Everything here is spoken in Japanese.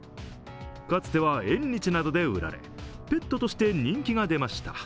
かつては縁日などで売られ、ペットとして人気が出ました。